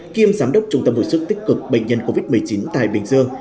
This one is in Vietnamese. kiêm giám đốc trung tâm hồi sức tích cực bệnh nhân covid một mươi chín tại bình dương